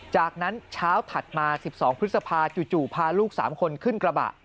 จากนั้นเช้าถัดมา๑๒พฤษภาจู่พาลูก๓คนขึ้นกระบะ